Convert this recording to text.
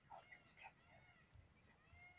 Robertson y la Tierra de la Princesa Isabel.